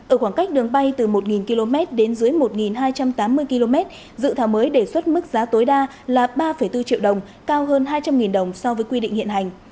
ở khoảng cách đường bay từ một km đến dưới một hai trăm tám mươi km dự thảo mới đề xuất mức giá tối đa là ba bốn triệu đồng cao hơn hai trăm linh đồng so với quy định hiện hành